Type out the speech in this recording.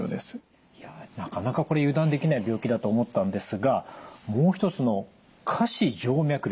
いやなかなかこれ油断できない病気だと思ったんですがもう一つの下肢静脈瘤